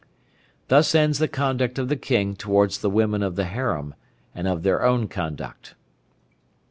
Thus ends the conduct of the King towards the women of the harem, and of their own conduct.